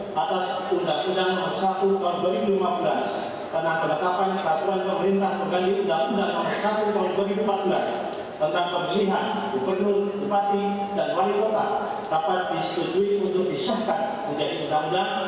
atas undang undang nomor satu tahun dua ribu lima belas karena penetapan satuan pemerintah menggali undang undang nomor satu tahun dua ribu empat belas tentang pemilihan gubernur bupati dan wali kota dapat disetujui untuk disahkan menjadi undang undang